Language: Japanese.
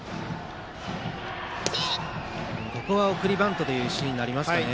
ここは送りバントというシーンになりますかね。